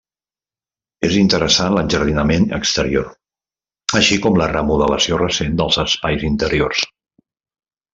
És interessant l'enjardinament exterior, així com la remodelació recent dels espais interiors.